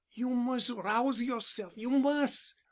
"You mus' rouse yourself—you mus'!